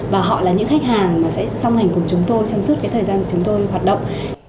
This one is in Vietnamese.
và họ là những khách hàng mà sẽ song hành cùng chúng tôi trong suốt cái thời gian mà chúng tôi hoạt động